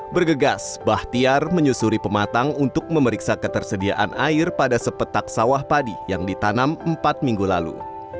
bergegas bahtiar menyusuri pematang untuk memeriksa ketersediaan air pada sepetak sawah padi yang ditanam empat minggu lalu